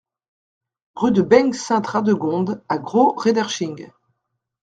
Rue de Baignes Sainte-Radegonde à Gros-Réderching